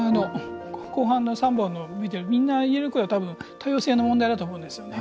後半の３本のＶＴＲみんな言えることは、たぶん多様性の問題だと思うんですよね。